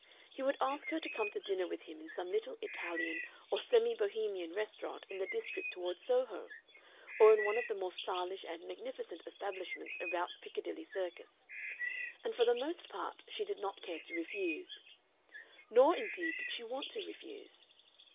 He would ask her to come to dinner with him in some little Italian or semi Bohemian restaurant in the district toward Soho, or in one of the more stylish and magnificent establishments about Piccadilly Circus, and for the most part she did not care to refuse. Nor, indeed, did she want to refuse.